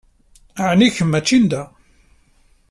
Ɛni kemm mačči n da?